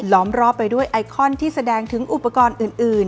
ล้อมรอบไปด้วยไอคอนที่แสดงถึงอุปกรณ์อื่น